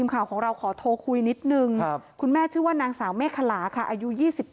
คุณแม่ชื่อว่านางสาวแม่ขลาค่ะอายุ๒๘